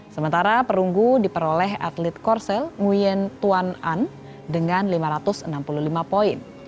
sementara perunggu diperoleh atlet korsel nguyen tuan an dengan lima ratus enam puluh lima poin